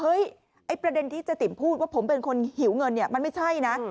ไอ้ประเด็นที่เจ๊ติ๋มพูดว่าผมเป็นคนหิวเงินเนี่ยมันไม่ใช่นะ